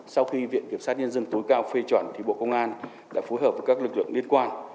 sau khi viện kiểm sát nhân dân tối cao phê chuẩn bộ công an đã phối hợp với các lực lượng liên quan